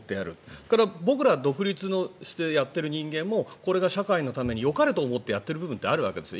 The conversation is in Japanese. それから僕ら独立してやっている人間もこれが社会のためによかれと思ってやってる部分ってあるわけですよ。